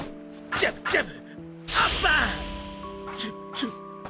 ジャブジャブ！